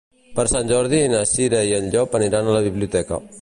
Per Sant Jordi na Cira i en Llop aniran a la biblioteca.